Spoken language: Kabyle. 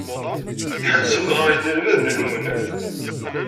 Tḥellsem-d ɣer yinelmaden-nwen.